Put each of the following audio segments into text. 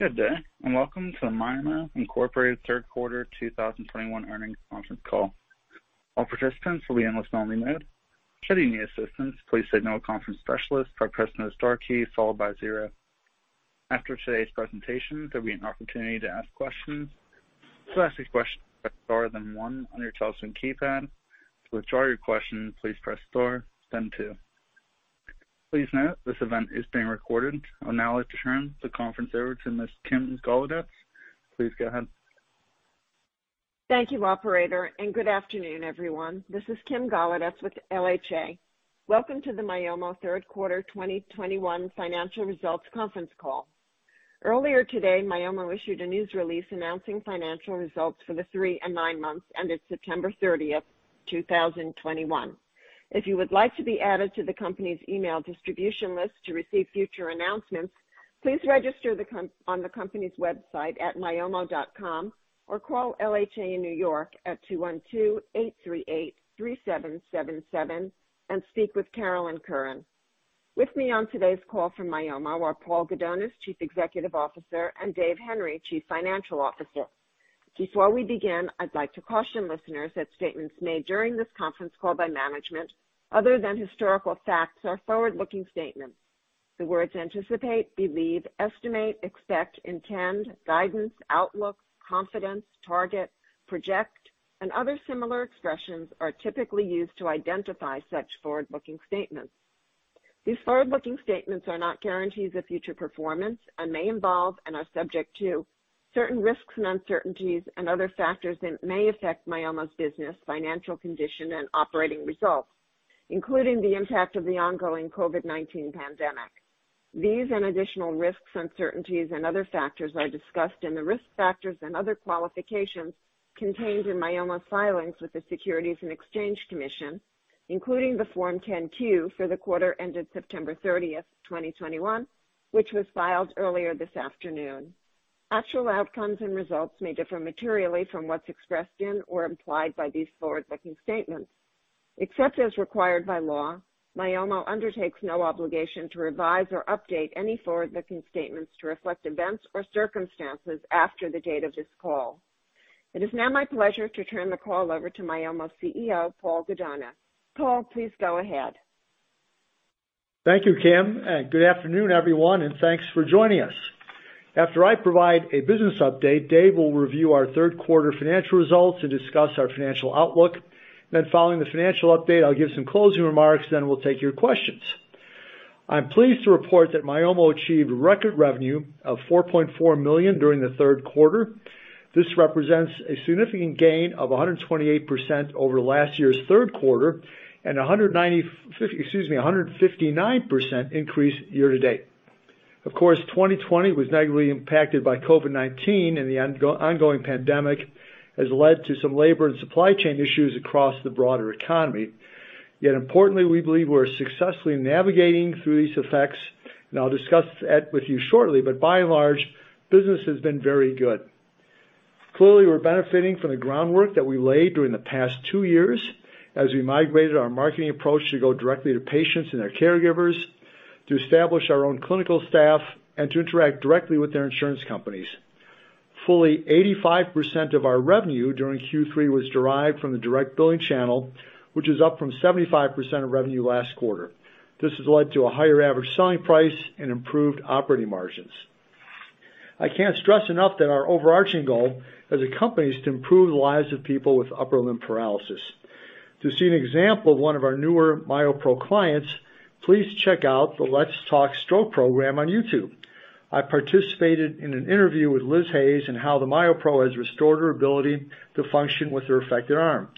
Good day, and welcome to the Myomo, Inc. third quarter 2021 earnings conference call. All participants will be in listen-only mode. Should you need assistance, please signal a conference specialist by pressing the star key followed by zero. After today's presentation, there'll be an opportunity to ask questions. To ask a question, press star then one on your telephone keypad. To withdraw your question, please press star then two. Please note, this event is being recorded. I'll now turn the conference over to Ms. Kim Golodetz. Please go ahead. Thank you operator, and good afternoon, everyone. This is Kim Golodetz with LHA. Welcome to the Myomo Q3 2021 financial results conference call. Earlier today, Myomo issued a news release announcing financial results for the three and nine months ended September 30, 2021. If you would like to be added to the company's email distribution list to receive future announcements, please register on the company's website at myomo.com or call LHA in New York at 212-838-3777 and speak with Carolyn Curran. With me on today's call from Myomo are Paul Gudonis, Chief Executive Officer, and Dave Henry, Chief Financial Officer. Before we begin, I'd like to caution listeners that statements made during this conference call by management other than historical facts are forward-looking statements. The words anticipate, believe, estimate, expect, intend, guidance, outlook, confidence, target, project, and other similar expressions are typically used to identify such forward-looking statements. These forward-looking statements are not guarantees of future performance and may involve and are subject to certain risks and uncertainties and other factors that may affect Myomo's business, financial condition, and operating results, including the impact of the ongoing COVID-19 pandemic. These and additional risks, uncertainties and other factors are discussed in the risk factors and other qualifications contained in Myomo's filings with the Securities and Exchange Commission, including the Form 10-Q for the quarter ended September 30, 2021, which was filed earlier this afternoon. Actual outcomes and results may differ materially from what's expressed in or implied by these forward-looking statements. Except as required by law, Myomo undertakes no obligation to revise or update any forward-looking statements to reflect events or circumstances after the date of this call. It is now my pleasure to turn the call over to Myomo's CEO, Paul Gudonis. Paul, please go ahead. Thank you, Kim, and good afternoon, everyone, and thanks for joining us. After I provide a business update, Dave will review our third quarter financial results and discuss our financial outlook. Following the financial update, I'll give some closing remarks, then we'll take your questions. I'm pleased to report that Myomo achieved record revenue of $4.4 million during the third quarter. This represents a significant gain of 128% over last year's third quarter and 159% increase year to date. Of course, 2020 was negatively impacted by COVID-19, and the ongoing pandemic has led to some labor and supply chain issues across the broader economy. Yet importantly, we believe we're successfully navigating through these effects, and I'll discuss that with you shortly. By and large, business has been very good. Clearly, we're benefiting from the groundwork that we laid during the past two years as we migrated our marketing approach to go directly to patients and their caregivers, to establish our own clinical staff and to interact directly with their insurance companies. Fully 85% of our revenue during Q3 was derived from the direct billing channel, which is up from 75% of revenue last quarter. This has led to a higher average selling price and improved operating margins. I can't stress enough that our overarching goal as a company is to improve the lives of people with upper limb paralysis. To see an example of one of our newer MyoPro clients, please check out the Let's Talk Stroke program on YouTube. I participated in an interview with Liz Hayes on how the MyoPro has restored her ability to function with her affected arm.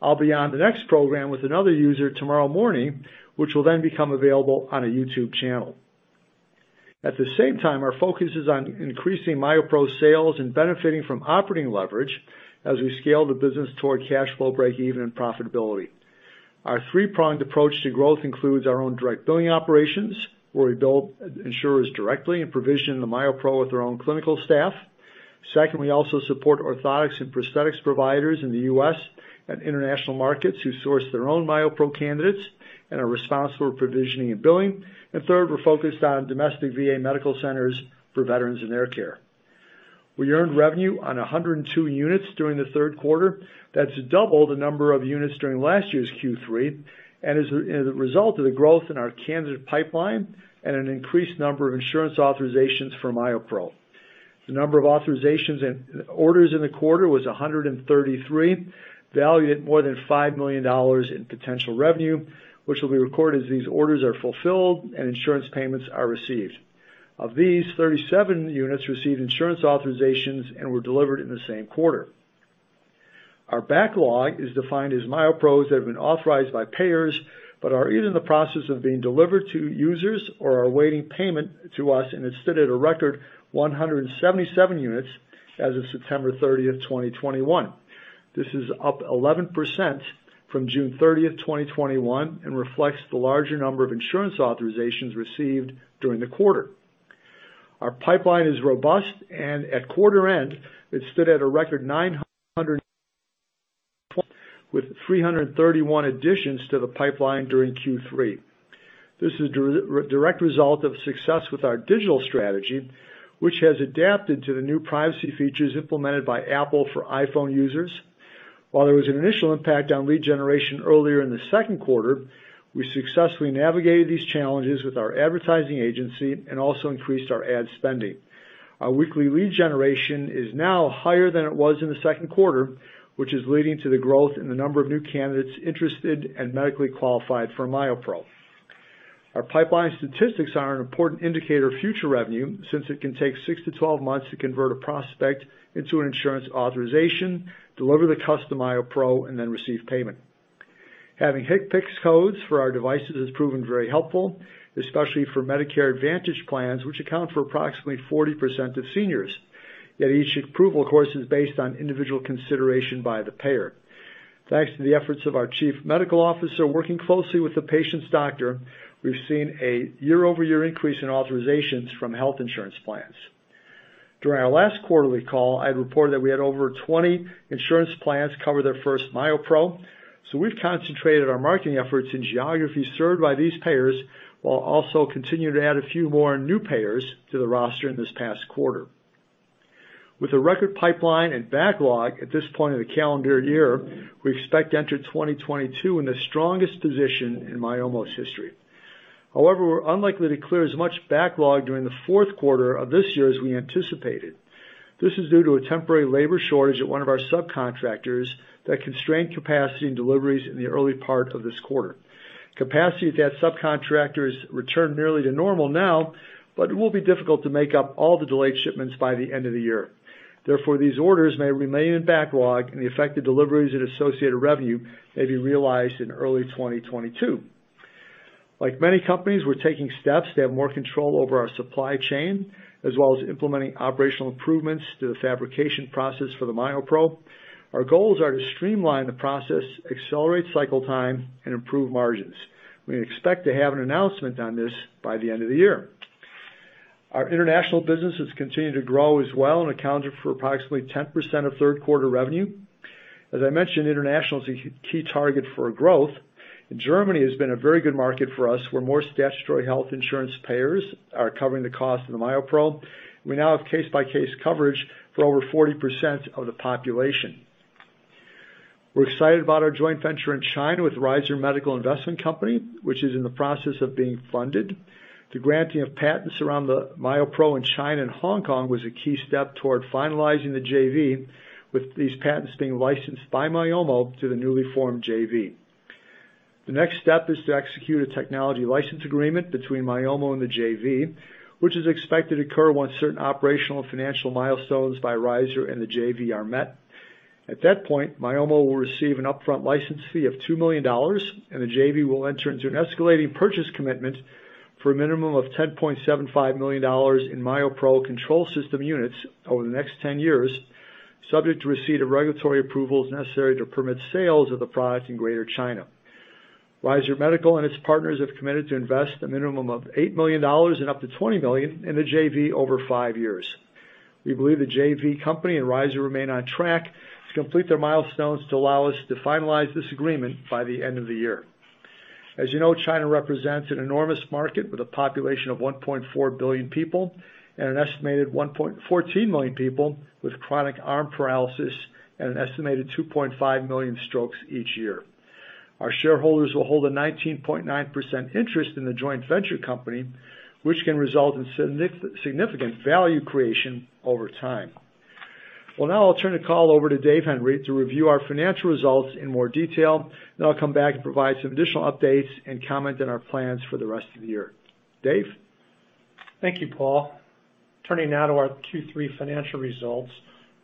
I'll be on the next program with another user tomorrow morning, which will then become available on a YouTube channel. At the same time, our focus is on increasing MyoPro sales and benefiting from operating leverage as we scale the business toward cash flow breakeven and profitability. Our three-pronged approach to growth includes our own direct billing operations, where we bill insurers directly and provision the MyoPro with our own clinical staff. Second, we also support orthotics and prosthetics providers in the U.S. and international markets who source their own MyoPro candidates and are responsible for provisioning and billing. Third, we're focused on domestic VA medical centers for veterans and their care. We earned revenue on 102 units during the third quarter. That's double the number of units during last year's Q3 and is a result of the growth in our candidate pipeline and an increased number of insurance authorizations for MyoPro. The number of authorizations and orders in the quarter was 133, valued at more than $5 million in potential revenue, which will be recorded as these orders are fulfilled and insurance payments are received. Of these, 37 units received insurance authorizations and were delivered in the same quarter. Our backlog is defined as MyoPros that have been authorized by payers but are either in the process of being delivered to users or are awaiting payment to us, and it stood at a record 177 units as of September 30, 2021. This is up 11% from June 30, 2021, and reflects the larger number of insurance authorizations received during the quarter. Our pipeline is robust, and at quarter end it stood at a record 900 with 331 additions to the pipeline during Q3. This is a direct result of success with our digital strategy, which has adapted to the new privacy features implemented by Apple for iPhone users. While there was an initial impact on lead generation earlier in the second quarter, we successfully navigated these challenges with our advertising agency and also increased our ad spending. Our weekly lead generation is now higher than it was in the second quarter, which is leading to the growth in the number of new candidates interested and medically qualified for MyoPro. Our pipeline statistics are an important indicator of future revenue since it can take six to 12 months to convert a prospect into an insurance authorization, deliver the custom MyoPro and then receive payment. Having HCPCS codes for our devices has proven very helpful, especially for Medicare Advantage plans, which account for approximately 40% of seniors. Yet each approval course is based on individual consideration by the payer. Thanks to the efforts of our Chief Medical Officer working closely with the patient's doctor, we've seen a year-over-year increase in authorizations from health insurance plans. During our last quarterly call, I had reported that we had over 20 insurance plans cover their first MyoPro. We've concentrated our marketing efforts in geographies served by these payers, while also continuing to add a few more new payers to the roster in this past quarter. With a record pipeline and backlog at this point of the calendar year, we expect to enter 2022 in the strongest position in Myomo's history. However, we're unlikely to clear as much backlog during the fourth quarter of this year as we anticipated. This is due to a temporary labor shortage at one of our subcontractors that constrained capacity and deliveries in the early part of this quarter. Capacity at that subcontractor has returned nearly to normal now, but it will be difficult to make up all the delayed shipments by the end of the year. Therefore, these orders may remain in backlog and the affected deliveries and associated revenue may be realized in early 2022. Like many companies, we're taking steps to have more control over our supply chain, as well as implementing operational improvements to the fabrication process for the MyoPro. Our goals are to streamline the process, accelerate cycle time, and improve margins. We expect to have an announcement on this by the end of the year. Our international business has continued to grow as well and accounted for approximately 10% of third quarter revenue. As I mentioned, international is a key target for growth, and Germany has been a very good market for us, where more statutory health insurance payers are covering the cost of the MyoPro. We now have case-by-case coverage for over 40% of the population. We're excited about our joint venture in China with Ryzur Medical Investment Company, which is in the process of being funded. The granting of patents around the MyoPro in China and Hong Kong was a key step toward finalizing the JV with these patents being licensed by Myomo to the newly formed JV. The next step is to execute a technology license agreement between Myomo and the JV, which is expected to occur once certain operational and financial milestones by Ryzur and the JV are met. At that point, Myomo will receive an upfront license fee of $2 million, and the JV will enter into an escalating purchase commitment for a minimum of $10.75 million in MyoPro control system units over the next 10 years, subject to receipt of regulatory approvals necessary to permit sales of the product in Greater China. Ryzur Medical and its partners have committed to invest a minimum of $8 million and up to $20 million in the JV over five years. We believe the JV company and Ryzur remain on track to complete their milestones to allow us to finalize this agreement by the end of the year. As you know, China represents an enormous market with a population of 1.4 billion people and an estimated 1.14 million people with chronic arm paralysis and an estimated 2.5 million strokes each year. Our shareholders will hold a 19.9% interest in the joint venture company, which can result in significant value creation over time. Well, now I'll turn the call over to Dave Henry to review our financial results in more detail. Then I'll come back and provide some additional updates and comment on our plans for the rest of the year. Dave? Thank you, Paul. Turning now to our Q3 financial results.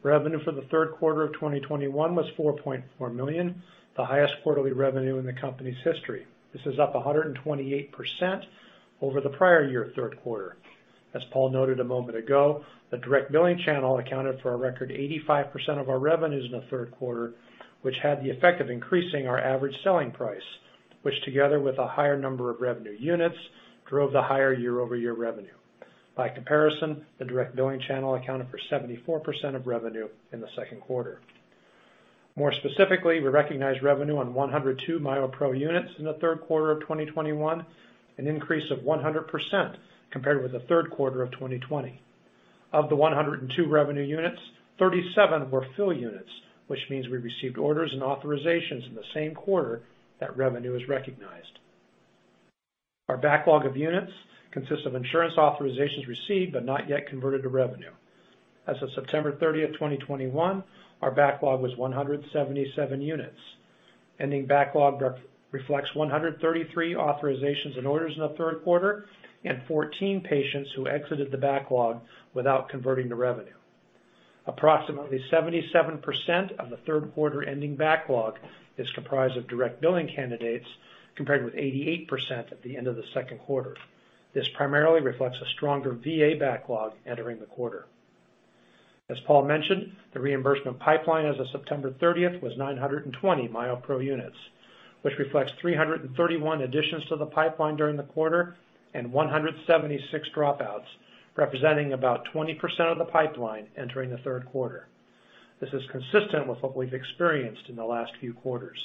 Revenue for the third quarter of 2021 was $4.4 million, the highest quarterly revenue in the company's history. This is up 128% over the prior year third quarter. As Paul noted a moment ago, the direct billing channel accounted for a record 85% of our revenues in the third quarter, which had the effect of increasing our average selling price, which together with a higher number of revenue units, drove the higher year-over-year revenue. By comparison, the direct billing channel accounted for 74% of revenue in the second quarter. More specifically, we recognized revenue on 102 MyoPro units in the third quarter of 2021, an increase of 100% compared with the third quarter of 2020. Of the 102 revenue units, 37 were fill units, which means we received orders and authorizations in the same quarter that revenue is recognized. Our backlog of units consists of insurance authorizations received but not yet converted to revenue. As of September 30, 2021, our backlog was 177 units. Ending backlog reflects 133 authorizations and orders in the third quarter and 14 patients who exited the backlog without converting to revenue. Approximately 77% of the third quarter ending backlog is comprised of direct billing candidates, compared with 88% at the end of the second quarter. This primarily reflects a stronger VA backlog entering the quarter. As Paul mentioned, the reimbursement pipeline as of September 30 was 920 MyoPro units, which reflects 331 additions to the pipeline during the quarter and 176 dropouts, representing about 20% of the pipeline entering the third quarter. This is consistent with what we've experienced in the last few quarters.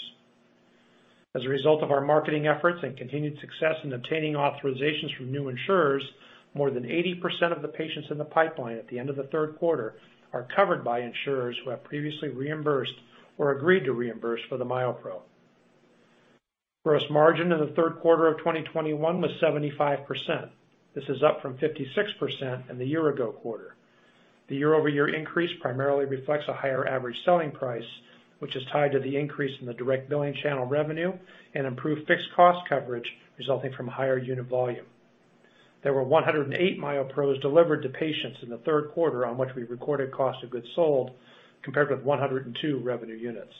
As a result of our marketing efforts and continued success in obtaining authorizations from new insurers, more than 80% of the patients in the pipeline at the end of the third quarter are covered by insurers who have previously reimbursed or agreed to reimburse for the MyoPro. Gross margin in the third quarter of 2021 was 75%. This is up from 56% in the year-ago quarter. The year-over-year increase primarily reflects a higher average selling price, which is tied to the increase in the direct billing channel revenue and improved fixed cost coverage resulting from higher unit volume. There were 108 MyoPros delivered to patients in the third quarter on which we recorded cost of goods sold, compared with 102 revenue units.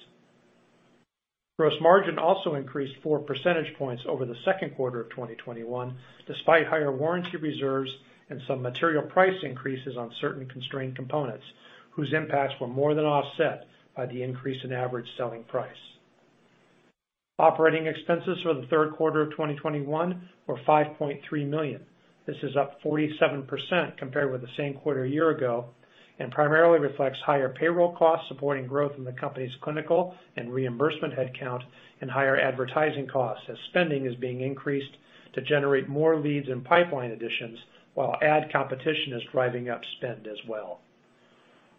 Gross margin also increased four percentage points over the second quarter of 2021, despite higher warranty reserves and some material price increases on certain constrained components, whose impacts were more than offset by the increase in average selling price. Operating expenses for the third quarter of 2021 were $5.3 million. This is up 47% compared with the same quarter a year ago and primarily reflects higher payroll costs supporting growth in the company's clinical and reimbursement headcount and higher advertising costs as spending is being increased to generate more leads and pipeline additions while ad competition is driving up spend as well.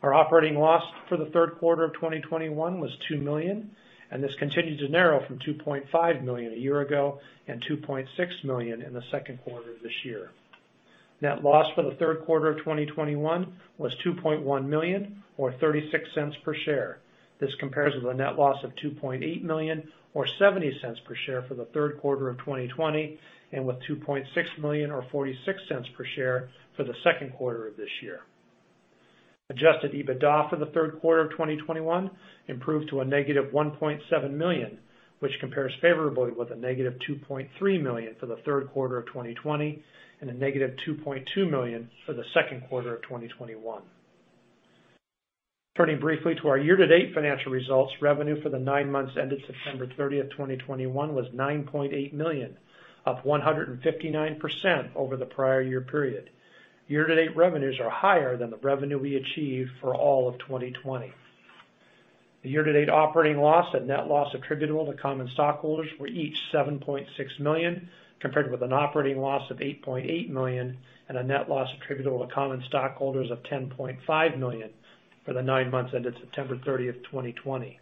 Our operating loss for the third quarter of 2021 was $2 million, and this continued to narrow from $2.5 million a year ago and $2.6 million in the second quarter of this year. Net loss for the third quarter of 2021 was $2.1 million or $0.36 per share. This compares with a net loss of $2.8 million or $0.70 per share for the third quarter of 2020 and with $2.6 million or $0.46 per share for the second quarter of this year. Adjusted EBITDA for the third quarter of 2021 improved to a -$1.7 million, which compares favorably with a -$2.3 million for the third quarter of 2020 and a -$2.2 million for the second quarter of 2021. Turning briefly to our year-to-date financial results. Revenue for the nine months ended September 30, 2021 was $9.8 million, up 159% over the prior year period. Year-to-date revenues are higher than the revenue we achieved for all of 2020. The year-to-date operating loss and net loss attributable to common stockholders were each $7.6 million, compared with an operating loss of $8.8 million and a net loss attributable to common stockholders of $10.5 million for the nine months ended September 30, 2020.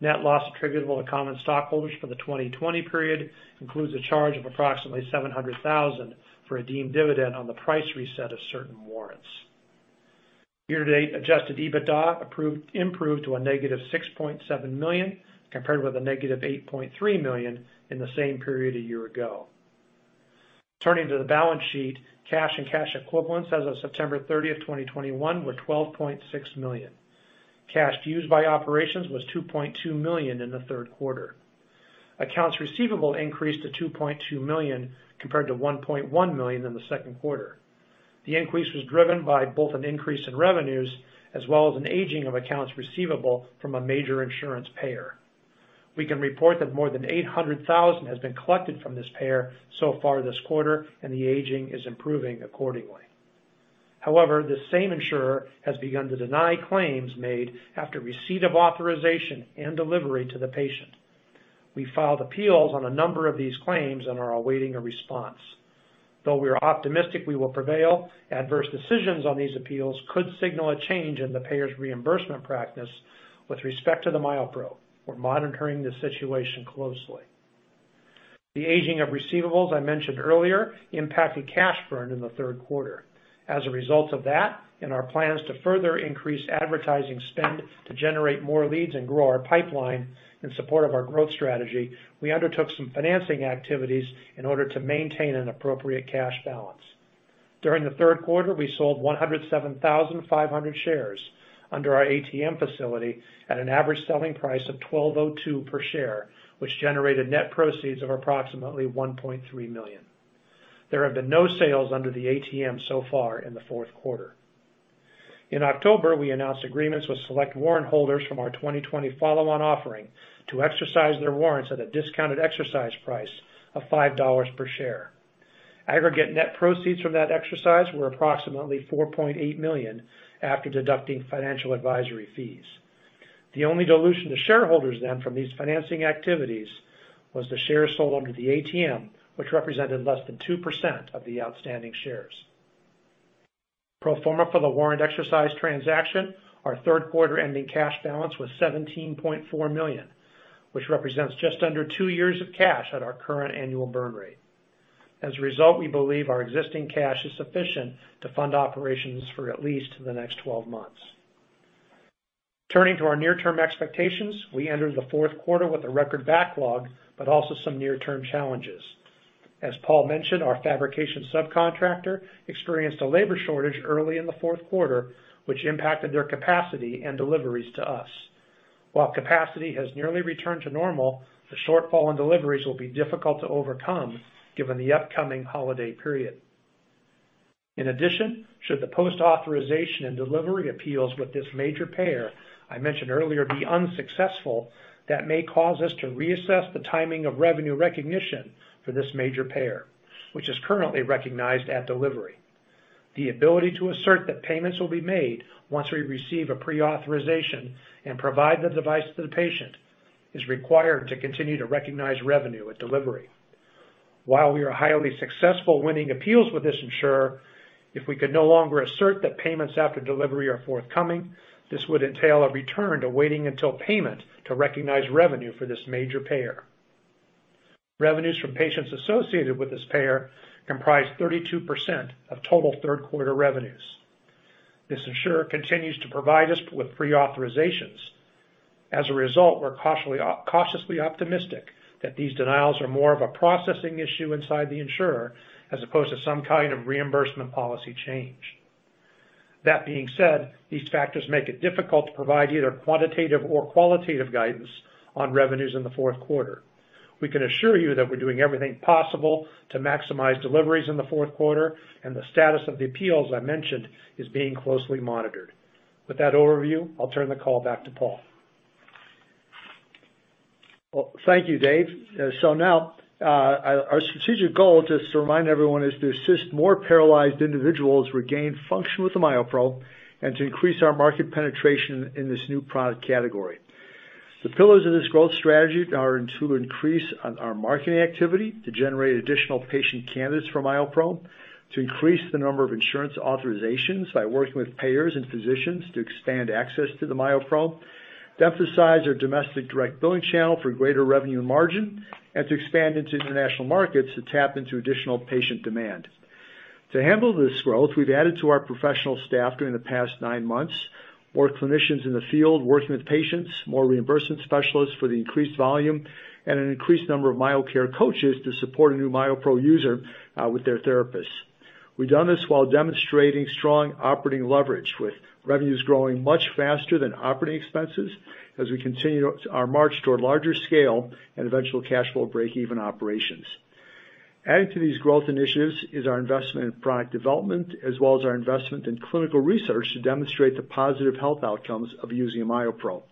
Net loss attributable to common stockholders for the 2020 period includes a charge of approximately $700,000 for a deemed dividend on the price reset of certain warrants. Year-to-date adjusted EBITDA improved to negative $6.7 million, compared with negative $8.3 million in the same period a year ago. Turning to the balance sheet. Cash and cash equivalents as of September 30, 2021 were $12.6 million. Cash used by operations was $2.2 million in the third quarter. Accounts receivable increased to $2.2 million compared to $1.1 million in the second quarter. The increase was driven by both an increase in revenues as well as an aging of accounts receivable from a major insurance payer. We can report that more than $800 thousand has been collected from this payer so far this quarter, and the aging is improving accordingly. However, this same insurer has begun to deny claims made after receipt of authorization and delivery to the patient. We filed appeals on a number of these claims and are awaiting a response. Though we are optimistic we will prevail, adverse decisions on these appeals could signal a change in the payer's reimbursement practice with respect to the MyoPro. We're monitoring the situation closely. The aging of receivables I mentioned earlier impacted cash burn in the third quarter. As a result of that and our plans to further increase advertising spend to generate more leads and grow our pipeline in support of our growth strategy, we undertook some financing activities in order to maintain an appropriate cash balance. During the third quarter, we sold 107,500 shares under our ATM facility at an average selling price of $12.02 per share, which generated net proceeds of approximately $1.3 million. There have been no sales under the ATM so far in the fourth quarter. In October, we announced agreements with select warrant holders from our 2020 follow-on offering to exercise their warrants at a discounted exercise price of $5 per share. Aggregate net proceeds from that exercise were approximately $4.8 million after deducting financial advisory fees. The only dilution to shareholders then from these financing activities was the shares sold under the ATM, which represented less than 2% of the outstanding shares. Pro forma for the warrant exercise transaction, our third quarter ending cash balance was $17.4 million, which represents just under two years of cash at our current annual burn rate. As a result, we believe our existing cash is sufficient to fund operations for at least the next 12 months. Turning to our near-term expectations. We entered the fourth quarter with a record backlog, but also some near-term challenges. As Paul mentioned, our fabrication subcontractor experienced a labor shortage early in the fourth quarter, which impacted their capacity and deliveries to us. While capacity has nearly returned to normal, the shortfall in deliveries will be difficult to overcome given the upcoming holiday period. In addition, should the post-authorization and delivery appeals with this major payer I mentioned earlier be unsuccessful, that may cause us to reassess the timing of revenue recognition for this major payer, which is currently recognized at delivery. The ability to assert that payments will be made once we receive a pre-authorization and provide the device to the patient is required to continue to recognize revenue at delivery. While we are highly successful winning appeals with this insurer, if we could no longer assert that payments after delivery are forthcoming, this would entail a return to waiting until payment to recognize revenue for this major payer. Revenues from patients associated with this payer comprise 32% of total third quarter revenues. This insurer continues to provide us with pre-authorizations. As a result, we're cautiously optimistic that these denials are more of a processing issue inside the insurer as opposed to some kind of reimbursement policy change. That being said, these factors make it difficult to provide either quantitative or qualitative guidance on revenues in the fourth quarter. We can assure you that we're doing everything possible to maximize deliveries in the fourth quarter, and the status of the appeals I mentioned is being closely monitored. With that overview, I'll turn the call back to Paul. Well, thank you, Dave. So now, our strategic goal, just to remind everyone, is to assist more paralyzed individuals regain function with the MyoPro and to increase our market penetration in this new product category. The pillars of this growth strategy are to increase our marketing activity, to generate additional patient candidates for MyoPro, to increase the number of insurance authorizations by working with payers and physicians to expand access to the MyoPro, to emphasize our domestic direct billing channel for greater revenue margin, and to expand into international markets to tap into additional patient demand. To handle this growth, we've added to our professional staff during the past nine months, more clinicians in the field working with patients, more reimbursement specialists for the increased volume, and an increased number of MyoCare coaches to support a new MyoPro user with their therapists. We've done this while demonstrating strong operating leverage with revenues growing much faster than operating expenses as we continue our march toward larger scale and eventual cash flow break-even operations. Adding to these growth initiatives is our investment in product development as well as our investment in clinical research to demonstrate the positive health outcomes of using a MyoPro.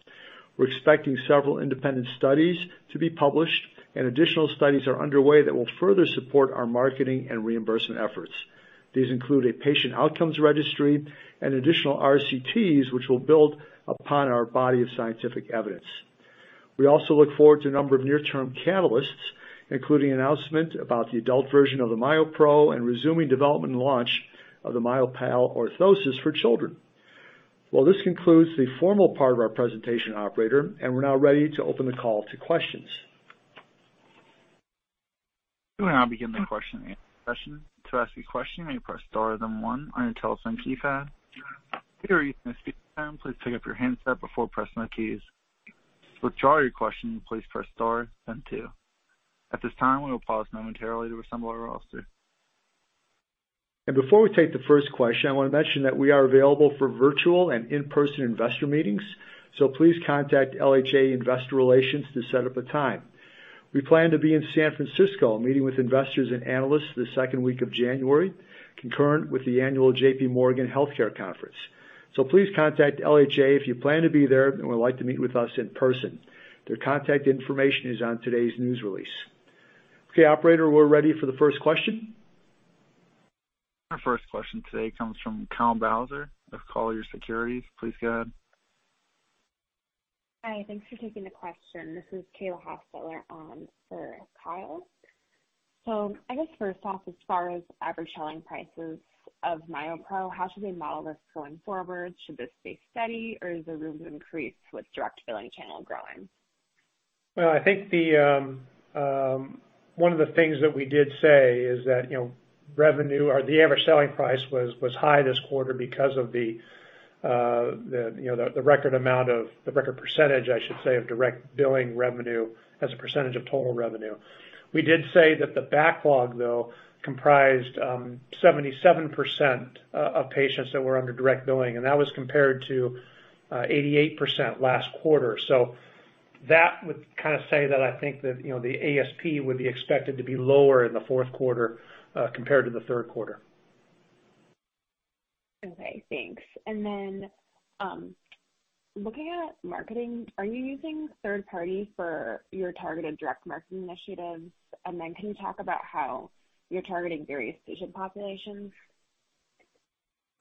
We're expecting several independent studies to be published, and additional studies are underway that will further support our marketing and reimbursement efforts. These include a patient outcomes registry and additional RCTs which will build upon our body of scientific evidence. We also look forward to a number of near-term catalysts, including announcement about the adult version of the MyoPro and resuming development and launch of the MyoPal orthosis for children. Well, this concludes the formal part of our presentation, operator, and we're now ready to open the call to questions. We will now begin the question and answer session. To ask a question, you may press star then one on your telephone keypad. If you are using a speakerphone, please pick up your handset before pressing the keys. To withdraw your question, please press star then two. At this time, we will pause momentarily to assemble our roster. Before we take the first question, I want to mention that we are available for virtual and in-person investor meetings, so please contact LHA Investor Relations to set up a time. We plan to be in San Francisco meeting with investors and analysts the second week of January, concurrent with the annual J.P. Morgan Healthcare Conference. Please contact LHA if you plan to be there and would like to meet with us in person. Their contact information is on today's news release. Okay, operator, we're ready for the first question. Our first question today comes from Kyle Bauser of Colliers Securities. Please go ahead. Hi. Thanks for taking the question. This is Kayla Hostetler on for Kyle. I guess first off, as far as average selling prices of MyoPro, how should we model this going forward? Should this stay steady or is there room to increase with direct billing channel growing? Well, I think one of the things that we did say is that, you know, revenue or the average selling price was high this quarter because of the record percentage, I should say, of direct billing revenue as a percentage of total revenue. We did say that the backlog, though, comprised 77% of patients that were under direct billing, and that was compared to 88% last quarter. That would kind of say that I think that, you know, the ASP would be expected to be lower in the fourth quarter compared to the third quarter. Okay, thanks. Looking at marketing, are you using third-party for your targeted direct marketing initiatives? Can you talk about how you're targeting various patient populations?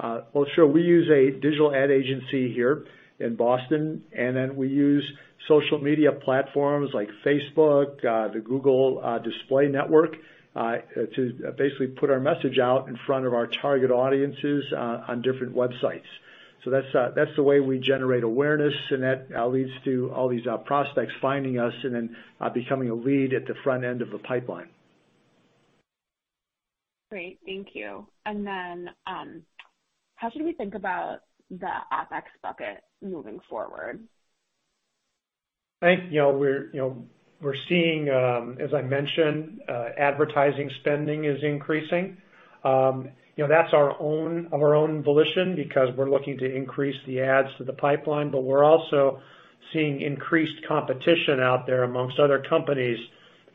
Well, sure. We use a digital ad agency here in Boston, and then we use social media platforms like Facebook, the Google Display Network, to basically put our message out in front of our target audiences on different websites. That's the way we generate awareness, and that leads to all these prospects finding us and then becoming a lead at the front end of the pipeline. Great. Thank you. How should we think about the OPEX bucket moving forward? I think, you know, we're, you know, we're seeing, as I mentioned, advertising spending is increasing. You know, that's our own, of our own volition because we're looking to increase the ads to the pipeline, but we're also seeing increased competition out there amongst other companies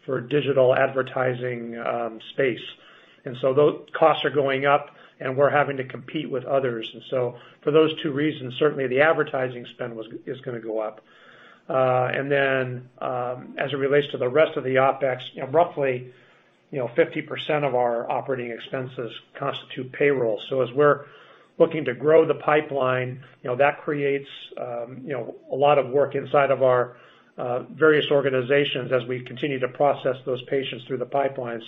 for digital advertising space. Those costs are going up, and we're having to compete with others. For those two reasons, certainly the advertising spend is gonna go up. As it relates to the rest of the OpEx, you know, roughly, you know, 50% of our operating expenses constitute payroll. As we're looking to grow the pipeline, you know, that creates, you know, a lot of work inside of our, various organizations as we continue to process those patients through the pipeline.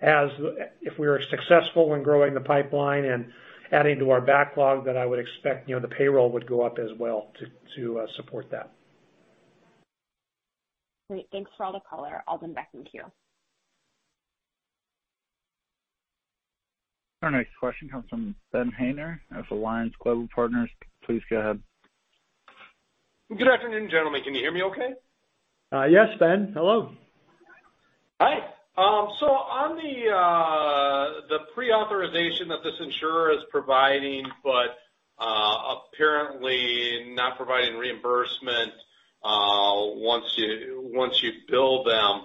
If we're successful in growing the pipeline and adding to our backlog, then I would expect, you know, the payroll would go up as well to support that. Great. Thanks for all the color. I'll hand it back to you. Our next question comes from Ben Haynor of Alliance Global Partners. Please go ahead. Good afternoon, gentlemen. Can you hear me okay? Yes, Ben. Hello. Hi. On the pre-authorization that this insurer is providing, but apparently not providing reimbursement once you bill them.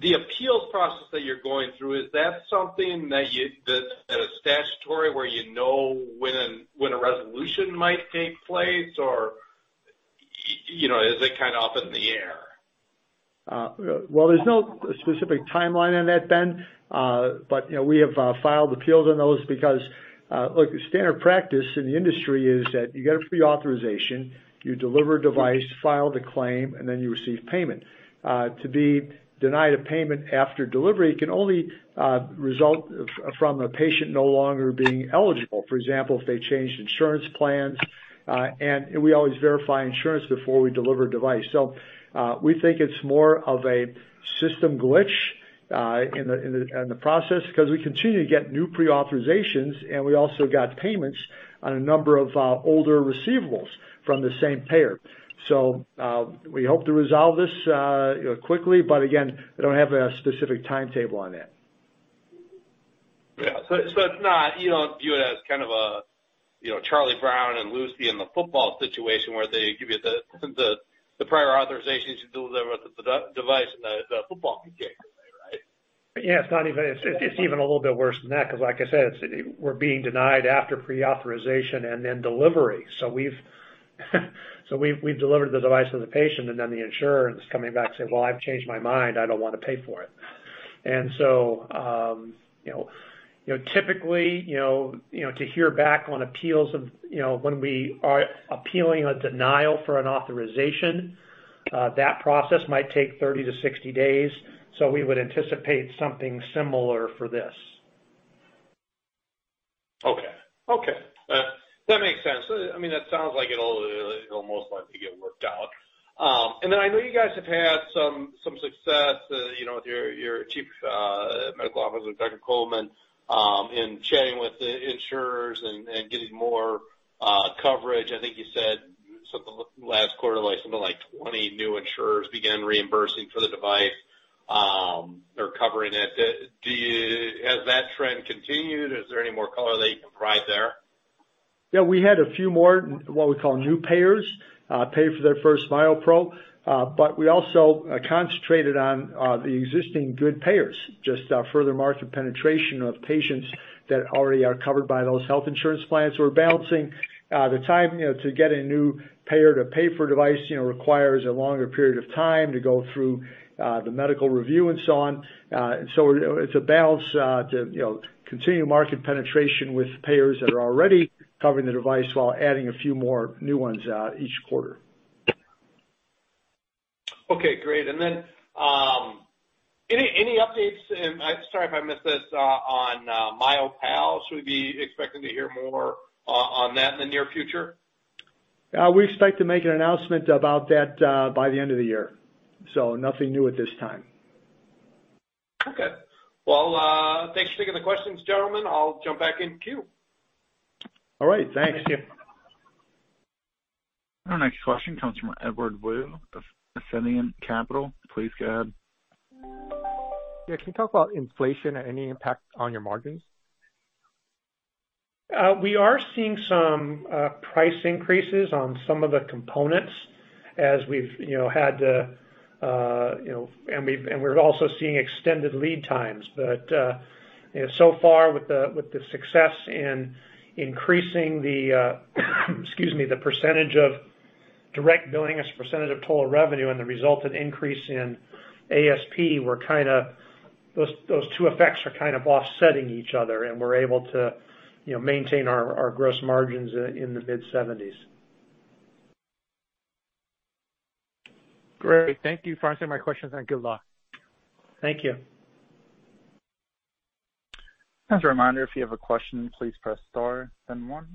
The appeals process that you're going through, is that something that is statutory where you know when a resolution might take place or, you know, is it kinda up in the air? Well, there's no specific timeline on that, Ben. You know, we have filed appeals on those because, look, standard practice in the industry is that you get a pre-authorization, you deliver a device, file the claim, and then you receive payment. To be denied a payment after delivery can only result from a patient no longer being eligible. For example, if they changed insurance plans and we always verify insurance before we deliver a device. We think it's more of a system glitch in the process because we continue to get new pre-authorizations, and we also got payments on a number of older receivables from the same payer. We hope to resolve this, you know, quickly, but again, I don't have a specific timetable on that. Yeah. It's not you don't view it as kind of a, you know, Charlie Brown and Lucy in the football situation where they give you the prior authorization to deliver the device in the football game, right? Yeah. It's even a little bit worse than that because like I said, it's. We're being denied after pre-authorization and then delivery. So we've delivered the device to the patient, and then the insurer is coming back saying, "Well, I've changed my mind. I don't wanna pay for it." You know, to hear back on appeals of when we are appealing a denial for an authorization, that process might take 30-60 days, so we would anticipate something similar for this. Okay. That makes sense. I mean, that sounds like it'll most likely get worked out. Then I know you guys have had some success, you know, with your Chief Medical Officer, Dr. Kovelman, in chatting with the insurers and getting more coverage. I think you said something last quarter, like something like 20 new insurers began reimbursing for the device, or covering it. Has that trend continued? Is there any more color that you can provide there? Yeah, we had a few more, what we call new payers, pay for their first MyoPro, but we also concentrated on the existing good payers, just further market penetration of patients that already are covered by those health insurance plans. We're balancing the time, you know, to get a new payer to pay for a device. You know, it requires a longer period of time to go through the medical review and so on. It's a balance, you know, to continue market penetration with payers that are already covering the device while adding a few more new ones each quarter. Okay, great. Any updates, and I'm sorry if I missed this, on MyoPal? Should we be expecting to hear more on that in the near future? We expect to make an announcement about that by the end of the year, so nothing new at this time. Okay. Well, thanks for taking the questions, gentlemen. I'll jump back in queue. Alright. Thanks. Our next question comes from Edward Woo of Ascendiant Capital Markets. Please go ahead. Yeah, can you talk about inflation and any impact on your margins? We are seeing some price increases on some of the components as we've had to. We're also seeing extended lead times. So far, with the success in increasing the percentage of direct billing as a percentage of total revenue and the resultant increase in ASP, those two effects are kind of offsetting each other, and we're able to maintain our gross margins in the mid-seventies. Great. Thank you for answering my questions, and good luck. Thank you. As a reminder, if you have a question, please press star then one.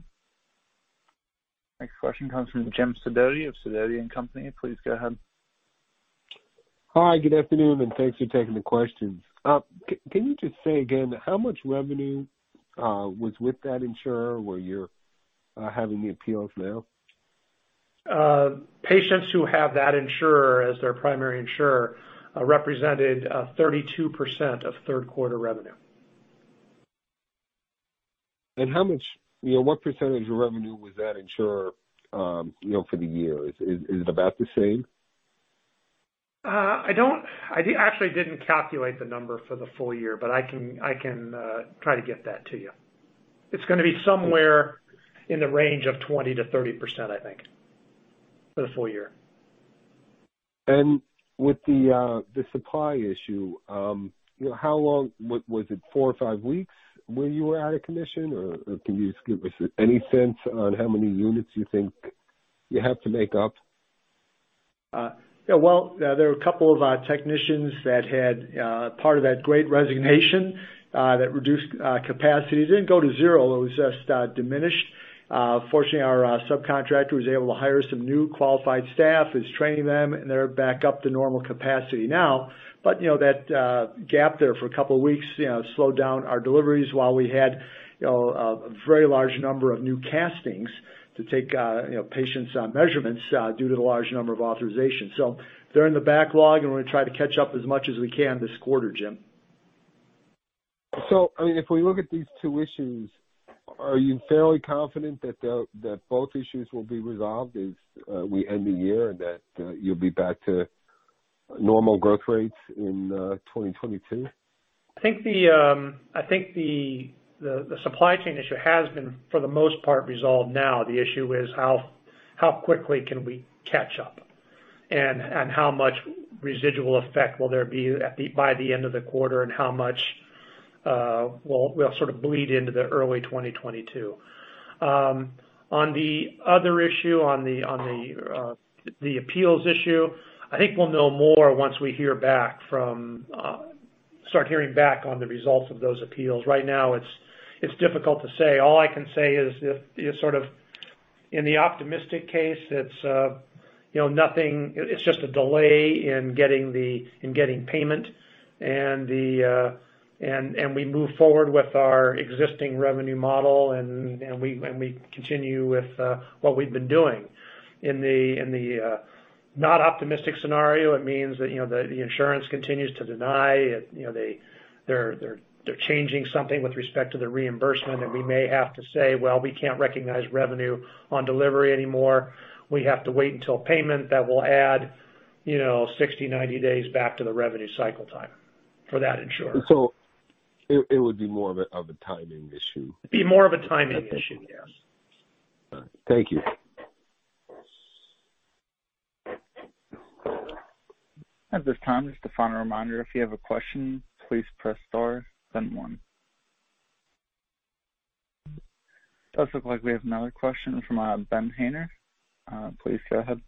Next question comes from Jim Sidoti of Sidoti & Company. Please go ahead. Hi, good afternoon, and thanks for taking the questions. Can you just say again how much revenue was with that insurer where you're having the appeals now? Patients who have that insurer as their primary insurer represented 32% of third quarter revenue. How much, you know, what percentage of revenue was that insurer, you know, for the year? Is it about the same? I actually didn't calculate the number for the full year, but I can try to get that to you. It's gonna be somewhere in the range of 20%-30%, I think, for the full year. With the supply issue, you know, how long was it four or five weeks where you were out of commission, or can you just give us any sense on how many units you think you have to make up? Yeah, well, there are a couple of technicians that had part of that great resignation that reduced capacity. It didn't go to zero. It was just diminished. Fortunately, our subcontractor was able to hire some new qualified staff, is training them, and they're back up to normal capacity now. You know, that gap there for a couple of weeks, you know, slowed down our deliveries while we had a very large number of new castings to take, you know, patients on measurements due to the large number of authorizations. They're in the backlog, and we're gonna try to catch up as much as we can this quarter, Jim. I mean, if we look at these two issues, are you fairly confident that both issues will be resolved as we end the year and that you'll be back to normal growth rates in 2022? I think the supply chain issue has been, for the most part, resolved now. The issue is how quickly can we catch up, and how much residual effect will there be by the end of the quarter, and how much we'll sort of bleed into the early 2022. On the other issue, the appeals issue, I think we'll know more once we start hearing back on the results of those appeals. Right now, it's difficult to say. All I can say is if you're sort of in the optimistic case, it's you know nothing. It's just a delay in getting payment and we move forward with our existing revenue model, and we continue with what we've been doing. In the not optimistic scenario, it means that you know the insurance continues to deny. You know, they're changing something with respect to the reimbursement. We may have to say, "Well, we can't recognize revenue on delivery anymore. We have to wait until payment." That will add you know 60-90 days back to the revenue cycle time for that insurer. It would be more of a timing issue. It'd be more of a timing issue, yes. Thank you. At this time, just a final reminder, if you have a question, please press star then one. It does look like we have another question from Ben Haynor. Please go ahead.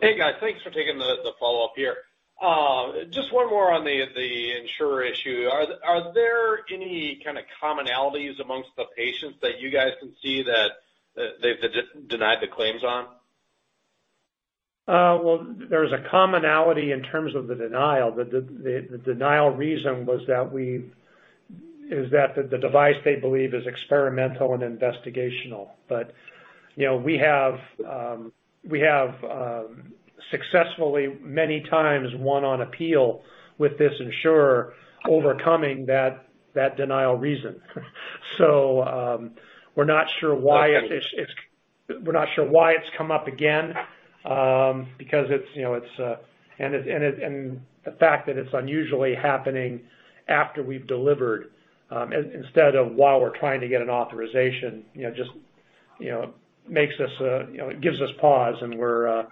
Hey, guys. Thanks for taking the follow-up here. Just one more on the insurer issue. Are there any kind of commonalities amongst the patients that you guys can see that they've denied the claims on? Well, there's a commonality in terms of the denial. The denial reason was that the device they believe is experimental and investigational. You know, we have successfully many times won on appeal with this insurer overcoming that denial reason. We're not sure why it's come up again because it's, you know, and the fact that it's unusually happening after we've delivered instead of while we're trying to get an authorization, you know, just makes us, you know, gives us pause, and we're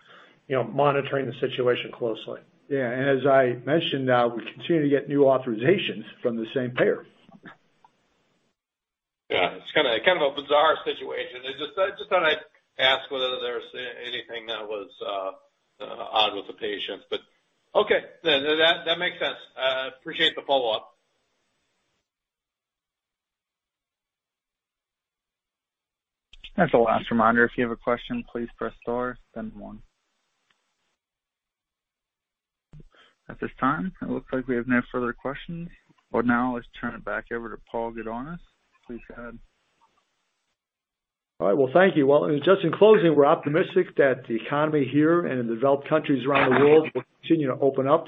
monitoring the situation closely. Yeah. As I mentioned, we continue to get new authorizations from the same payer. Yeah. It's kind of a bizarre situation. I just thought I'd ask whether there's anything that was odd with the patients, but okay. No, that makes sense. I appreciate the follow-up. As a last reminder, if you have a question, please press star then one. At this time, it looks like we have no further questions. Now let's turn it back over to Paul Gudonis. Please go ahead. Alright. Well, thank you. Well, just in closing, we're optimistic that the economy here and in developed countries around the world will continue to open up,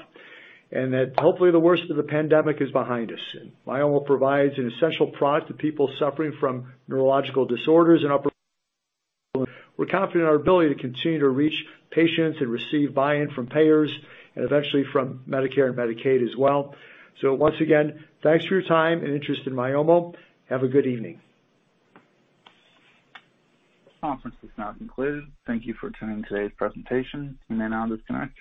and that hopefully the worst of the pandemic is behind us. Myomo provides an essential product to people suffering from neurological disorders and upper limbs. We're confident in our ability to continue to reach patients and receive buy-in from payers and eventually from Medicare and Medicaid as well. Once again, thanks for your time and interest in Myomo. Have a good evening. This conference is now concluded. Thank you for attending today's presentation. You may now disconnect.